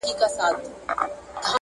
دا تنوع یوازې